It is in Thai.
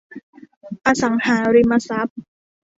อสังหาริมทรัพย์